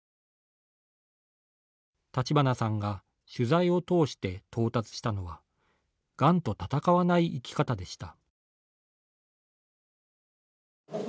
立花さんが取材を通して到達したのはがんと闘わない生き方でした。